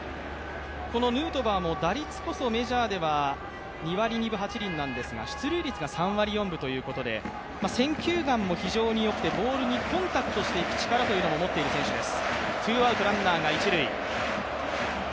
このヌートバーも打率こそメジャーでは２割２分８厘ですが出塁率が３割４分ということで選球眼も非常によくてボールにコンタクトしていく力も持っている選手です。